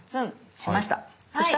しました。